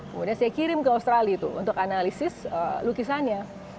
kemudian saya kirim ke australia itu untuk analisis lukisannya